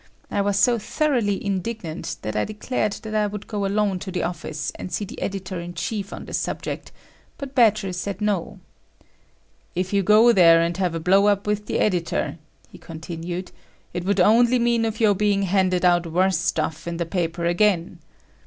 I was so thoroughly indignant that I declared I would go alone to the office and see the editor in chief on the subject, but Badger said no. "If you go there and have a blowup with the editor," he continued, "it would only mean of your being handed out worse stuff in the paper again.